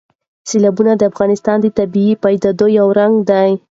سیلابونه د افغانستان د طبیعي پدیدو یو رنګ دی.